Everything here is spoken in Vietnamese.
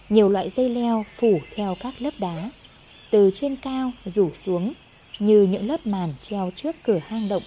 nhiều loại dây leo phủ theo các lớp đá từ trên cao rủ xuống như những lớp màn treo trước cửa hang động